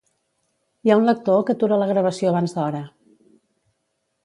Hi ha un lector que atura la gravació abans d'hora